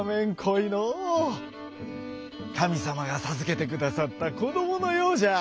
かみさまがさずけてくださったこどものようじゃ」。